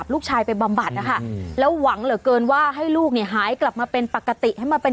เบิร์ตลมเสียโอ้โหเบิร์ตลมเสียโอ้โห